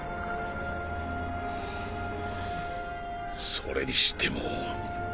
それにしても。